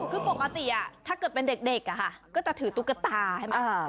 คือปกติถ้าเกิดเป็นเด็กก็จะถือตุ๊กตาใช่ไหม